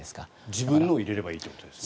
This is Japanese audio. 自分のを入れればいいということですね。